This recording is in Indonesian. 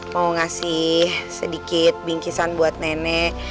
mau ngasih sedikit bingkisan buat nenek